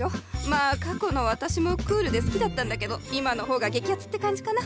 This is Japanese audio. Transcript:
まあ過去の私もクールで好きだったんだけど今の方が激アツって感じかな？